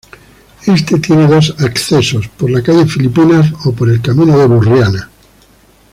Este tiene dos accesos: por la Calle Filipinas o por el Camino de Burriana.